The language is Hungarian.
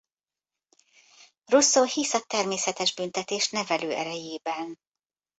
Rousseau hisz a természetes büntetés nevelő erejében.